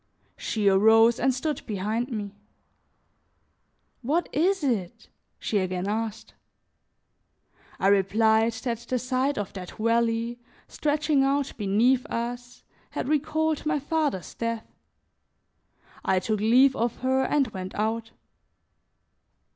She arose and stood behind me. "What is it?" she again asked. I replied that the sight of that valley, stretching out beneath us, had recalled my father's death; I took leave of her and went out.